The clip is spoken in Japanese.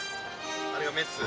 あれがメッツ。